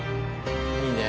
いいねえ。